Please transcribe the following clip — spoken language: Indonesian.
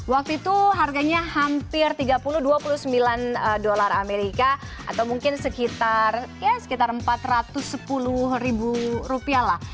waktu itu harganya hampir tiga puluh dua puluh sembilan dolar amerika atau mungkin sekitar empat ratus sepuluh ribu rupiah lah